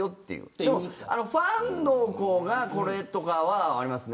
でも、ファンの子がとかはありますね。